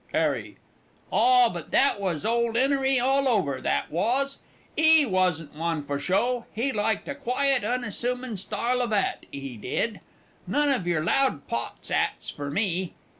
'ARRY. Ah, but that was ole 'Enery all over, that was; he wasn't one for show. He liked a quiet, unassumin' style of 'at, he did. "None of yer loud pot 'ats for Me!"